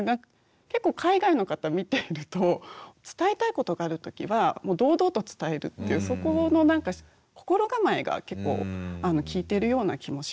結構海外の方見ていると伝えたいことがある時はもう堂々と伝えるっていうそこのなんか心構えが結構効いてるような気もします。